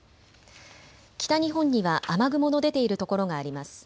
北日本には雨雲の出ている所があります。